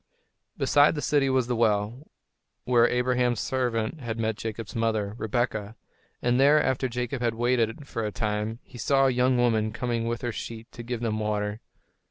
Beside the city was the well, where Abraham's servant had met Jacob's mother, Rebekah; and there, after Jacob had waited for a time, he saw a young woman coming with her sheep to give them water.